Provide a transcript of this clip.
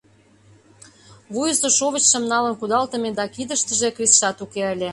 Вуйысо шовычшым налын кудалтыме да кидыштыже крисшат уке ыле.